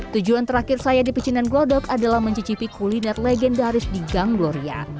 tujuan terakhir saya di pecinan glodok adalah mencicipi kuliner legendaris di gang gloria